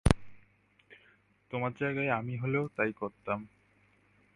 তোমার জায়গায় আমি হলেও তাই করতাম।